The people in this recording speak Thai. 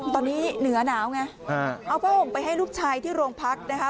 ตอนนี้เหนือหนาวไงเอาผ้าห่มไปให้ลูกชายที่โรงพักนะคะ